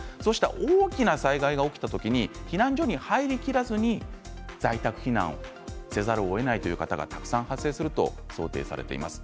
大きな災害が起きた時に避難所に入りきらずに在宅避難をせざるをえないという方がたくさん発生するといわれています。